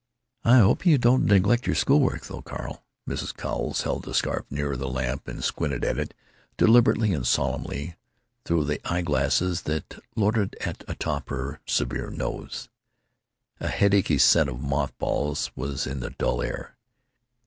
"I hope you don't neglect your school work, though, Carl." Mrs. Cowles held the scarf nearer the lamp and squinted at it, deliberately and solemnly, through the eye glasses that lorded it atop her severe nose. A headachy scent of moth balls was in the dull air.